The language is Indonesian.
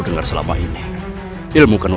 jangan salahkan aku